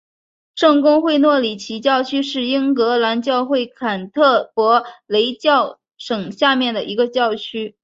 圣公会诺里奇教区是英格兰教会坎特伯雷教省下面的一个教区。